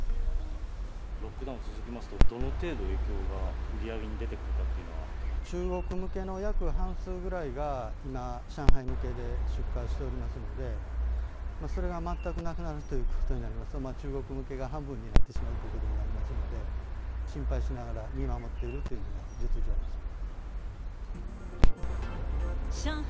ロックダウン続きますと、どの程度影響が、中国向けの約半数ぐらいが今、上海向けで出荷しておりますので、それが全くなくなるということになりますと、中国向けが半分になってしまうということになりますので、心配しながら、見守っているというのが実情です。